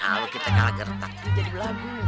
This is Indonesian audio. kalau kita kalah gertak jadi belagu